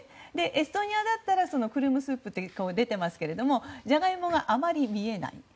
エストニアだったらクルムスップと出ていますがジャガイモがあまり見えない。